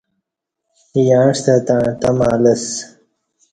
یعں ستہ تݩع تمہ لسہ